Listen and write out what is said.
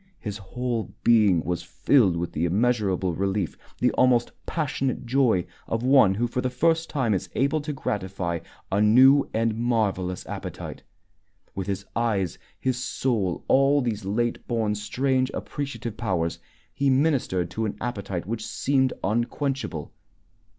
His whole being was filled with the immeasurable relief, the almost passionate joy, of one who for the first time is able to gratify a new and marvelous appetite. With his eyes, his soul, all these late born, strange, appreciative powers, he ministered to an appetite which seemed unquenchable.